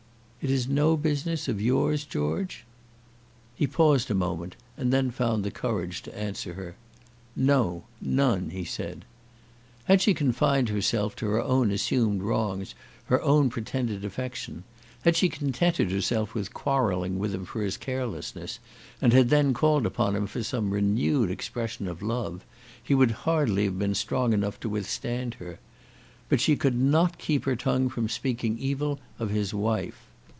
"It is no business of yours, George?" He paused a moment, and then found the courage to answer her. "No none," he said. Had she confined herself to her own assumed wrongs, her own pretended affection, had she contented herself with quarrelling with him for his carelessness, and had then called upon him for some renewed expression of love, he would hardly have been strong enough to withstand her. But she could not keep her tongue from speaking evil of his wife.